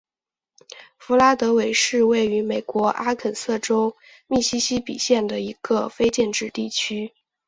弗拉德韦是位于美国阿肯色州密西西比县的一个非建制地区。